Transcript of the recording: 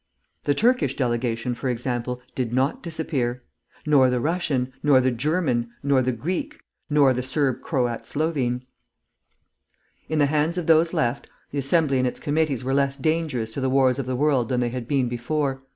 The Turkish delegation, for example, did not disappear. Nor the Russian, nor the German, nor the Greek, nor the Serb Croat Slovene. In the hands of those left, the Assembly and its committees were less dangerous to the wars of the world than they had been before.